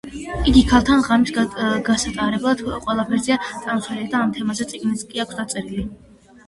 იგი ქალთან ღამის გასატარებლად ყველაფერზეა წამსვლელი და ამ თემაზე წიგნიც კი აქვს დაწერილი.